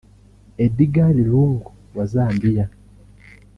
Edgar Lungu wa Zambia